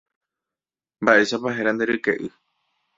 Mba'éichapa héra nde ryke'y.